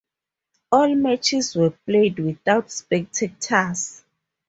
All matches were played without spectators.